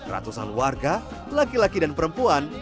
ratusan warga laki laki dan perempuan